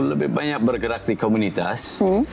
lebih banyak bergerak di komunitas